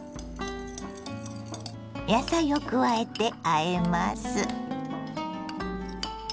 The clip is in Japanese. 野菜を加えてあえます。